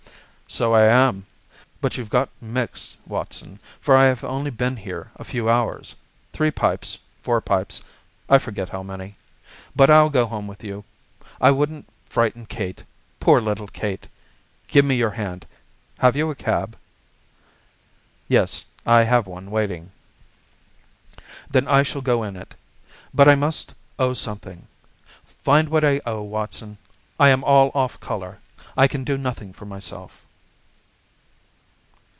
"So I am. But you've got mixed, Watson, for I have only been here a few hours, three pipes, four pipes—I forget how many. But I'll go home with you. I wouldn't frighten Kate—poor little Kate. Give me your hand! Have you a cab?" "Yes, I have one waiting." "Then I shall go in it. But I must owe something. Find what I owe, Watson. I am all off colour. I can do nothing for myself."